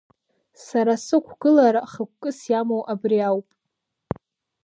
Сара сықәгылара хықәкыс иамоу абри ауп…